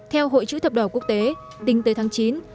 theo hội chữ thập đỏ quốc tế tính tới tháng chín